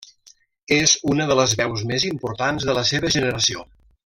És una de les veus més importants de la seva generació.